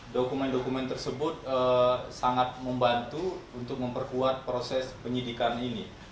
dokumen dokumen tersebut sangat membantu untuk memperkuat proses penyidikan ini